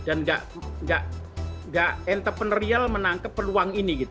dan nggak entrepreneurial menangkep peluang ini